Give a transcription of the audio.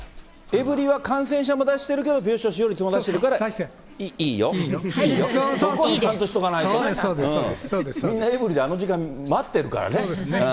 エブリィは感染者も出してるけど、病床使用率も出してるからそこはちゃんとしとかないとみんなエブリィであの時間、待ってるからね。